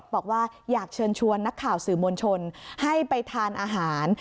บอกว่าอยากเชิญชวนนักข่าวสื่อมวลชนให้ไปทานอาหาร